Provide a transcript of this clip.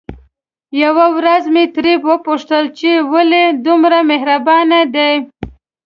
يوه ورځ مې ترې وپوښتل چې ولې دومره مهربانه دي؟